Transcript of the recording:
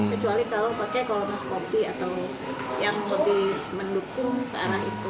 kecuali kalau pakai kolonoskopi atau yang mendukung ke arah itu